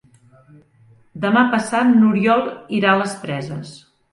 Demà passat n'Oriol irà a les Preses.